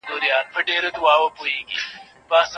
هرشاعر په قصیدو کي وي ستایلی